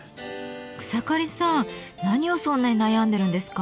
草刈さん何をそんなに悩んでるんですか？